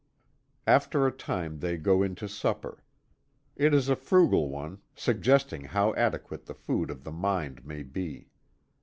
After a time they go in to supper. It is a frugal one suggesting how adequate the food of the mind may be.